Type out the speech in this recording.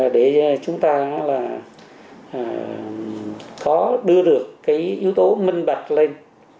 để chúng ta có đưa được cái yếu tố minh mạch lên